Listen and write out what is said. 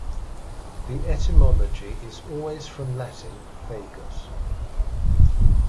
The etymology is always from Latin "fagus".